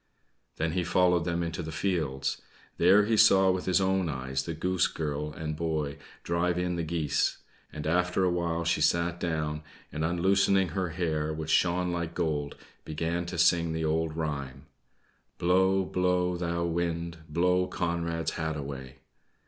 Then he followed them also into the fields. There he saw with his own eyes the Goose Girl and boy drive in the geese; and after a while she sat down and, unloosening her hair, which shone like gold, began to sing the old rhyme: "Blow, blow, thou wind, Blow Conrad's hat away."